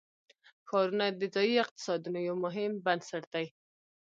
ښارونه د ځایي اقتصادونو یو مهم بنسټ دی.